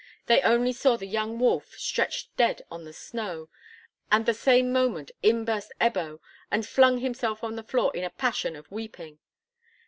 They only saw the young wolf stretched dead on the snow, and the same moment in burst Ebbo, and flung himself on the floor in a passion of weeping.